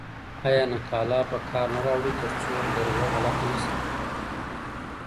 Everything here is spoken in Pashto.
آیا نقاله په کار نه راوړئ ترڅو درجه غلطه نه سی؟